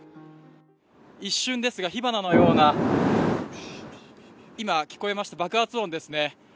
一瞬ですが、火花のような、今、聞こえました、爆発音ですね。